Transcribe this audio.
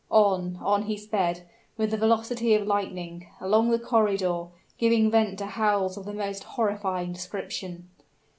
On, on he sped, with the velocity of lightning, along the corridor, giving vent to howls of the most horrifying description.